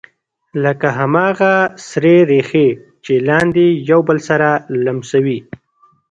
لکه هماغه سرې ریښې چې لاندې یو بل سره لمسوي